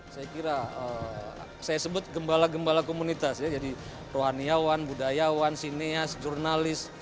saya kira saya sebut gembala gembala komunitas ya jadi rohaniawan budayawan sineas jurnalis